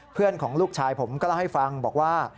ของลูกชายผมก็เล่าให้ฟังบอกว่า